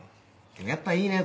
でもやっぱいいね